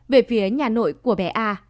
về phía nhà nội của bé a